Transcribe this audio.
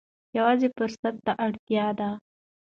یوازې فرصت ته اړتیا ده.